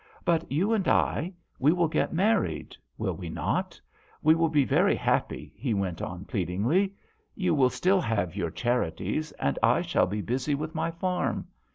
But you and I we will get married, will we not ? We will be very happy," he went on, pleadingly. " You will still have your charities, and I shall be busy with my farm.